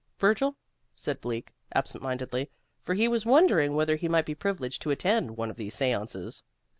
"Virgil?" said Bleak, absent mindedly, for he was wondering whether he might be privileged to attend one of these seances.